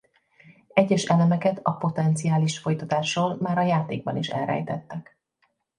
Egyes elemeket a potenciális folytatásról már a játékban is elrejtettek.